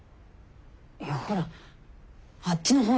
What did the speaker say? いやほらあっちの方よ。